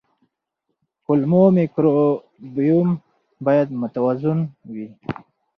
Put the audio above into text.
کولمو مایکروبیوم باید متوازن وي.